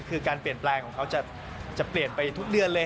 คือการเปลี่ยนแปลงของเขาจะเปลี่ยนไปทุกเดือนเลย